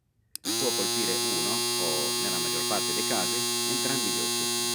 Può colpire uno o, nella maggior parte dei casi, entrambi gli occhi.